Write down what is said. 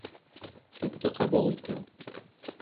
Тупты ҡабул итеү